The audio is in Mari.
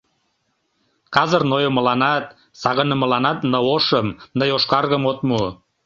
Казыр нойымыланат, сагынымыланат ны ошым, ны йошкаргым от му...